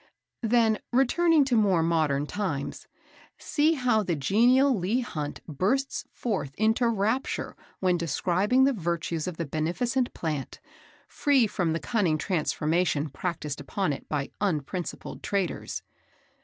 Then returning to more modern times, see how the genial Leigh Hunt bursts forth into rapture when describing the virtues of the beneficent plant, free from the cunning transformation practised upon it by unprincipled traders.